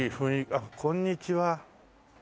あっこんにちは。